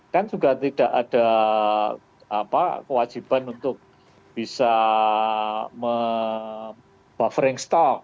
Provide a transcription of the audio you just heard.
kan juga tidak ada kewajiban untuk bisa buffering stok